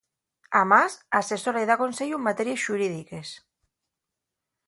Amás, asesora y da conseyu en materies xurídiques.